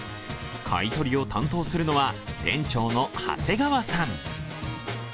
買い取りを担当するのは、店長の長谷川さん。